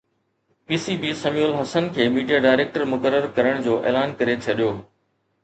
P C B Sami ul Hasan کي media director مقرر ڪرڻ جو اعلان ڪري ڇڏيو